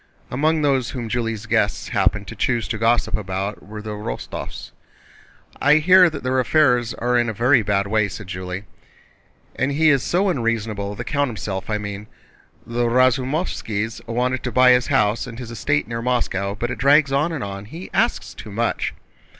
Among those whom Julie's guests happened to choose to gossip about were the Rostóvs. "I hear that their affairs are in a very bad way," said Julie. "And he is so unreasonable, the count himself I mean. The Razumóvskis wanted to buy his house and his estate near Moscow, but it drags on and on. He asks too much."